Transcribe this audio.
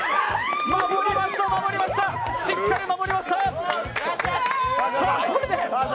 しっかり守りました！